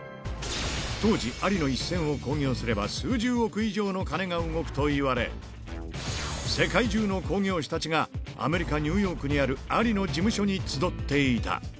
当時、アリの一戦を興行すれば数十億以上の金が動くといわれ、世界中の興行師たちがアメリカ・ニューヨークにあるアリの事務所に集っていた。